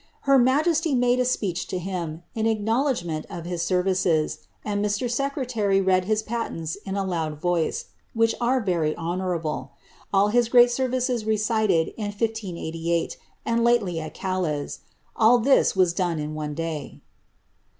Her majesty made a speech to him, in acknowledgment .of his services, and Mr. Secretary read his patents in a loud voice, which are very honourable ; all his great services recited in 1588, and lately at Gales. All this was done in one day."